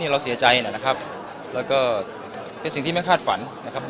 มีการที่จะพยายามติดศิลป์บ่นเจ้าพระงานนะครับ